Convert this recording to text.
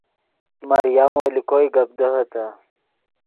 مریمو لے کوئے گپ دیہے تے